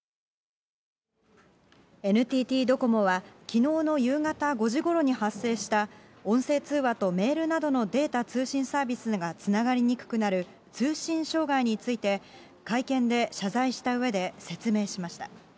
ＮＴＴドコモは、きのうの夕方５時ごろに発生した音声通話とメールなどのデータ通信サービスがつながりにくくなる通信障害について、会見で謝罪したうえで説明しました。